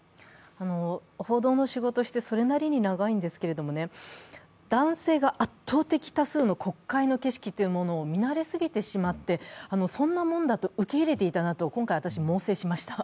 報道の仕事をしてそれなりに長いんですけれども、男性が圧倒的多数の国会の景色というものを見慣れすぎてしまって、そんなもんだと受け入れていたなと今回、私、猛省しました。